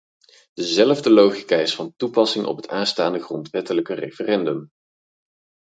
Dezelfde logica is van toepassing op het aanstaande grondwettelijke referendum.